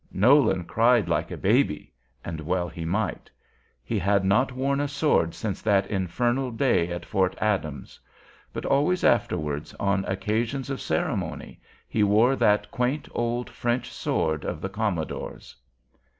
Nolan cried like a baby, and well he might. He had not worn a sword since that infernal day at Fort Adams. But always afterwards on occasions of ceremony, he wore that quaint old French sword of the commodore's.